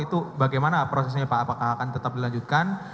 itu bagaimana prosesnya pak apakah akan tetap dilanjutkan